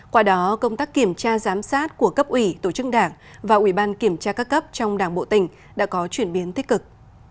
qua đó công tác kiểm tra giám sát của cấp ủy tổ chức đảng và ủy ban kiểm tra các cấp trong đảng bộ tỉnh đã có chuyển biến tích cực